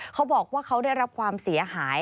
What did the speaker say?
เขาบอกว่าเขาได้รับความเสียหาย